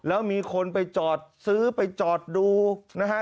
แล้วมีคนไปจอดซื้อไปจอดดูนะฮะ